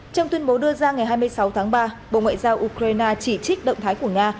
trong tuyên bố đưa ra ngày hai mươi sáu tháng ba bộ ngoại giao ukraine chỉ trích động thái của nga